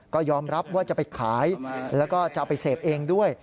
ก็ยอมรับว่าจะไปขายแล้วก็จะเอาไปเสพเองด้วย